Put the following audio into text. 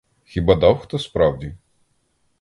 Хіба дав хто, справді?